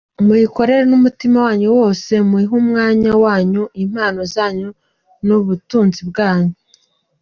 Muyikorere n’umutima wanyu wose, muyiha umwanya wanyu, impano zanyu n’ubutunzi bwanyu.